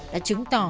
đã chứng tỏ